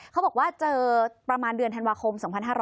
เขาบอกว่าเจอประมาณเดือนธันวาคม๒๕๕๙